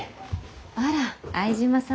あら相島様。